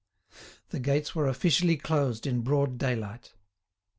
The gates were officially closed in broad daylight.